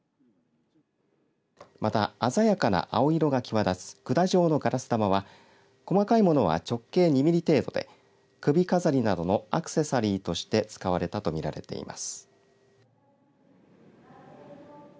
また、鮮やかな青色が際立つ管状のガラス玉は細かいものは直径２ミリ程度で首飾りなどのアクセサリーとして使われたとみられています。